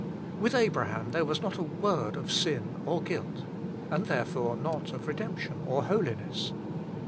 With Abraham there was not a word of sin or guilt, and therefore not of redemption or holiness.